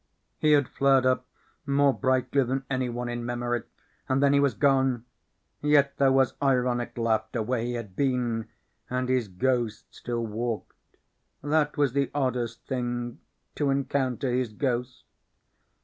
He had flared up more brightly than anyone in memory. And then he was gone. Yet there was ironic laughter where he had been; and his ghost still walked. That was the oddest thing: to encounter his ghost.